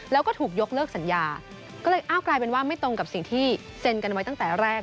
แล้วก็ถูกยกเลิกสัญญาก็เลยอ้าวกลายเป็นว่าไม่ตรงกับสิ่งที่เซ็นกันไว้ตั้งแต่แรก